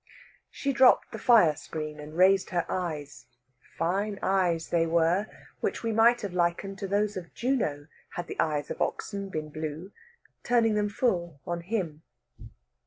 She dropped the fire screen and raised her eyes fine eyes they were, which we might have likened to those of Juno had the eyes of oxen been blue turning them full on him.